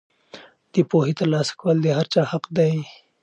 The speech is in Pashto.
د پوهې ترلاسه کول د هر چا حق دی.